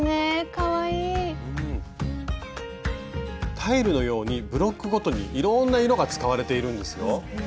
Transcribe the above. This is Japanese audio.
タイルのようにブロックごとにいろんな色が使われているんですよ。